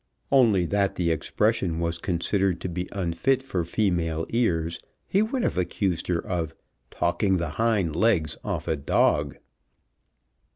Only that the expression was considered to be unfit for female ears, he would have accused her of "talking the hind legs off a dog."